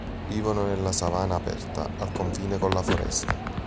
Vivono nella savana aperta, al confine con la foresta.